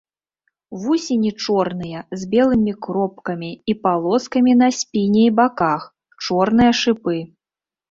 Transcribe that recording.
Вусені чорныя, з белымі кропкамі і палоскамі на спіне і баках, чорныя шыпы.